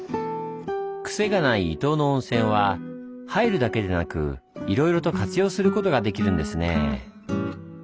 クセがない伊東の温泉は入るだけでなくいろいろと活用することができるんですねぇ。